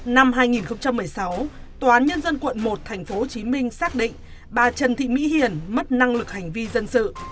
năm hai nghìn một mươi sáu tòa án nhân dân quận một tp hcm xác định bà trần thị mỹ hiền mất năng lực hành vi dân sự